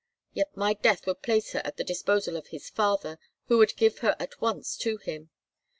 Yet my death would place her at the disposal of his father, who would give her at once to him.